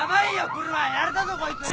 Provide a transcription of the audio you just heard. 車やられたぞこいつに。